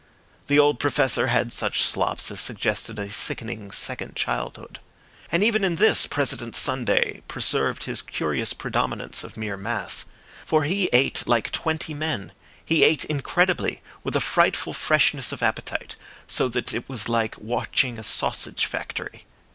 The old Professor had such slops as suggested a sickening second childhood. And even in this President Sunday preserved his curious predominance of mere mass. For he ate like twenty men; he ate incredibly, with a frightful freshness of appetite, so that it was like watching a sausage factory.